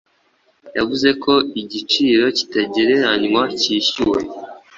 Yavuze ko igiciro kitagereranywa cyishyuwe